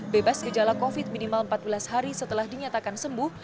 bebas gejala covid minimal empat belas hari setelah dinyatakan sembuh